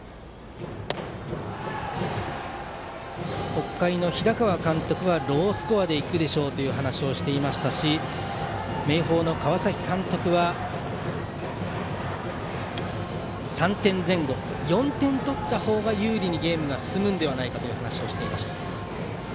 北海の平川監督はロースコアで行くでしょうという話をしていましたし明豊の川崎監督は３点前後で４点取った方が有利にゲームが進むのではないかという話をしていました。